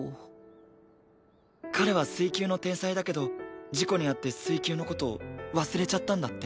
彼は水球の天才だけど事故に遭って水球の事を忘れちゃったんだって。